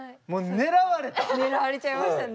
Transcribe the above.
狙われちゃいましたね。